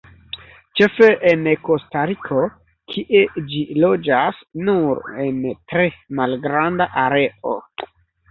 Ĉefe en Kostariko, kie ĝi loĝas nur en tre malgranda areo.